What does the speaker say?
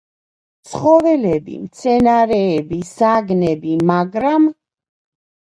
ცხოველები, მცენარეები, საგნები, მაგრამ